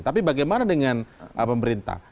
tapi bagaimana dengan pemerintah